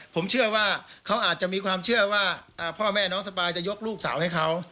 ผมเชื่อว่าเขาอาจจะมีความเชื่อว่าพ่อแม่น้องสปายจะยกลูกสาวให้เขา